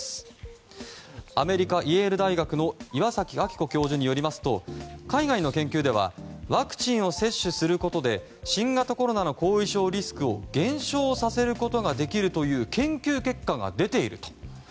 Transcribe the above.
アメリカ・イェール大学の岩崎明子教授によりますと海外の研究ではワクチンを接種することで新型コロナの後遺症リスクを減少させることができるという研究結果が出ていると。